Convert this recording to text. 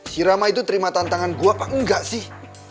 si rama itu terima tantangan gue apa enggak sih